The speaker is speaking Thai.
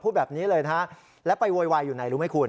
พูดแบบนี้เลยนะฮะแล้วไปโวยวายอยู่ไหนรู้ไหมคุณ